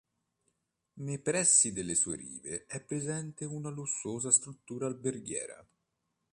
Nei pressi delle sue rive è presente una lussuosa struttura alberghiera.